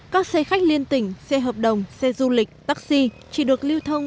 các xe khách liên tỉnh xe hợp đồng xe du lịch taxi chỉ được lưu thông